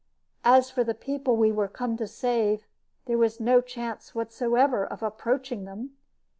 As for the people we were come to save, there was no chance whatever of approaching them.